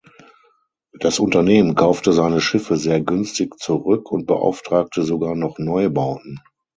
Das Unternehmen kaufte seine Schiffe sehr günstig zurück und beauftragte sogar noch Neubauten.